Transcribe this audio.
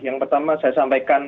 yang pertama saya sampaikan